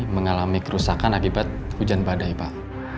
mengalami kerusakan akibat hujan badai pak